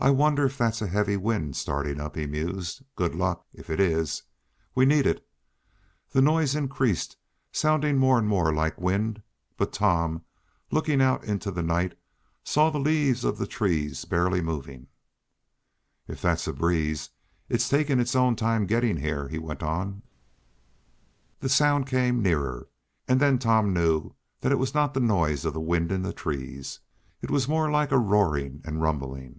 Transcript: "I wonder if that's a heavy wind starting up?" he mused. "Good luck, if it is! We need it." The noise increased, sounding more and more like wind, but Tom, looking out into the night, saw the leaves of the trees barely moving. "If that's a breeze, it's taking its own time getting here," he went on. The sound came nearer, and then Tom knew that it was not the noise of the wind in the trees. It was more like a roaring and rumbling.